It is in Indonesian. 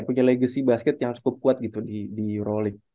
punya legacy basket yang cukup kuat gitu di euroleague